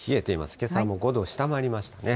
けさも５度を下回りましたね。